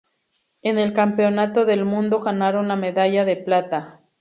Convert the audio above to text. En el Campeonato del mundo ganaron la medalla de plata.